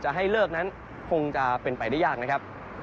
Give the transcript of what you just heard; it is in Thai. ให้เลิกนั้นคงจะเป็นไปได้ยากนะครับ